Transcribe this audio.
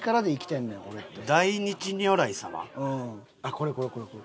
これこれこれこれ。